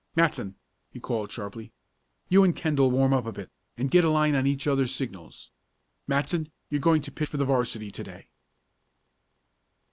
"Matson!" he called sharply. "You and Kendall warm up a bit, and get a line on each other's signals. Matson, you're going to pitch for the 'varsity to day!"